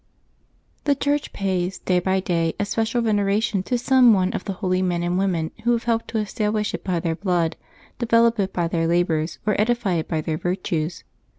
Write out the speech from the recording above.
CHE Church pays, day by day, a special veneration to some one of the holy men and women who have helped to establish it by their blood, develop it by their labors, or edify it by their virtues.